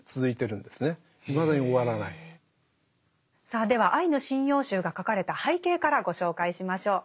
さあでは「アイヌ神謡集」が書かれた背景からご紹介しましょう。